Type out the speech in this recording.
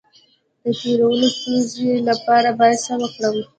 د تیرولو د ستونزې لپاره باید څه وکړم؟